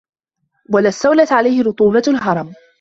وَلَا اسْتَوْلَتْ عَلَيْهِ رُطُوبَةُ الْهَرِمِ